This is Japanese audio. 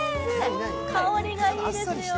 香りがいいですよ。